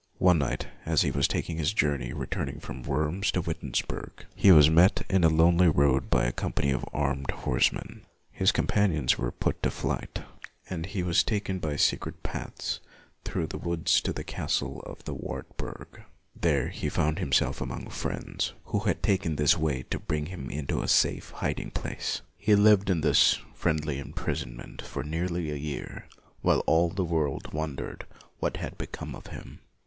One night, as he was taking his journey, returning from Worms to Wittenberg, he was met in a lonely 20 LUTHER road by a company of armed horsemen, his companions were put to flight, and he was taken by secret paths through the woods to the castle of the Wartburg. There he found himself among friends, who had taken this way to bring him into a safe hiding place. He lived in this friendly imprisonment for nearly a year, while all the world wondered what had become of him.